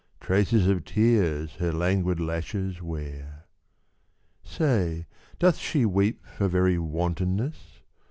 Traces of tears her languid lashes wear. Say, doth she weep for very wantonness?